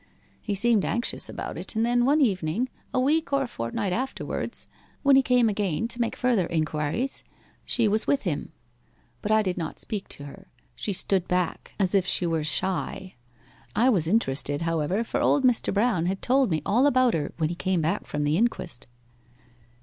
He seemed anxious about it; and then one evening, a week or fortnight afterwards, when he came again to make further inquiries, she was with him. But I did not speak to her she stood back, as if she were shy. I was interested, however, for old Mr. Brown had told me all about her when he came back from the inquest.